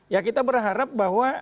ya kita berharap bahwa